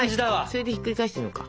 それでひっくり返してみようか。